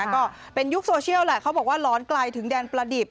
ก็เป็นยุคโซเชียลแหละเขาบอกว่าร้อนไกลถึงแดนประดิบ